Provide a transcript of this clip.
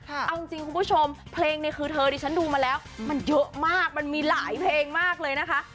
เอาจริงคุณผู้ชมเพลงเนี่ยคือเธอดิฉันดูมาแล้วมันเยอะมากมันมีหลายเพลงมากเลยนะคะ